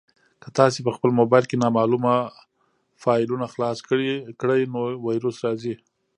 که تاسي په خپل موبایل کې نامعلومه فایلونه خلاص کړئ نو ویروس راځي.